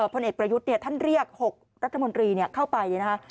พลเอกประยุทธ์ท่านเรียก๖รัฐมนตรีเข้าไปนะคะ